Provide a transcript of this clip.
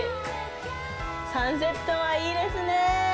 サンセットはいいですね。